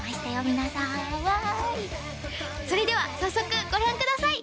皆さんわいそれでは早速ご覧ください